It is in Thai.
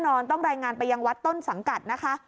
ต้องรายงานไปยังวัดต้นสังกัดนะคะ